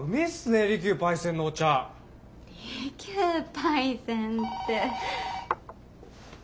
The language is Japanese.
利休パイセンって。